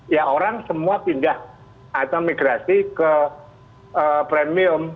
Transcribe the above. ya orang semua pindah atau migrasi ke premium